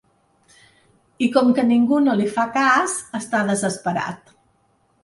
I com que ningú no li fa cas està desesperat.